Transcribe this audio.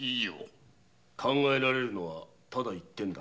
考えられるのはただ一点だ。